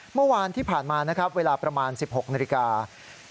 เมื่อวานที่ผ่านมาเวลาประมาณ๑๖นาที